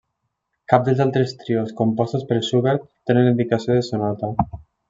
Cap dels altres trios compostos per Schubert tenen la indicació de sonata.